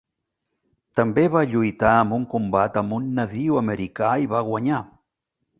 També va lluitar amb un combat amb un nadiu americà i va guanyar.